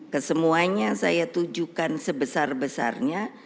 kesemuanya saya tujukan sebesar besarnya